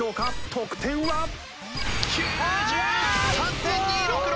得点は！？９３．２６６！